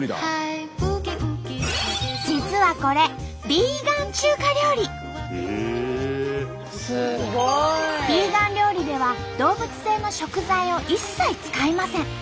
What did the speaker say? ビーガン料理では動物性の食材を一切使いません。